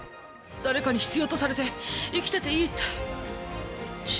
誰かに必要とされて、生きてていいって。